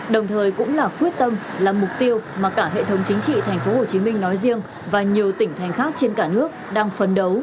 đồng thời cũng là quyết tâm là mục tiêu mà cả hệ thống chính trị thành phố hồ chí minh nói riêng và nhiều tỉnh thành khác trên cả nước đang phấn đấu